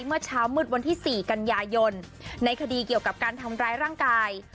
เมื่อเช้ามืดวันที่๔กันยายนในคดีเกี่ยวกับการทำร้ายร่างกาย